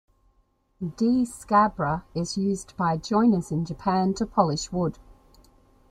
"D. scabra" is used by joiners in Japan to polish wood.